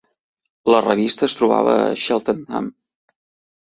La revista es trobava a Cheltenham.